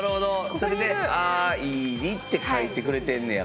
それで「ＡＩＲＩ」って書いてくれてんねや。